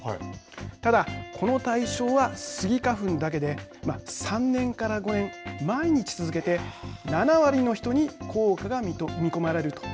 ただ、この対象はスギ花粉だけで３年から５年、毎日続けて７割の人に効果が見込まれると。